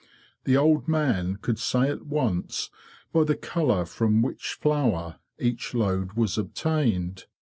The old man could say at once by the colour from which flower each load was obtained.